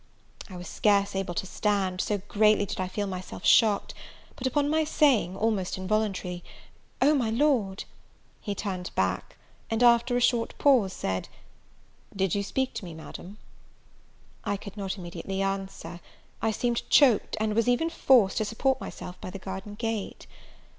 I was scarce able to stand, so greatly did I feel myself shocked; but, upon my saying, almost involuntarily, "Oh, my Lord!" he turned back, and, after a short pause, said, "Did you speak to me, Madam?" I could not immediately answer; I seemed choaked, and was even forced to support myself by the garden gate.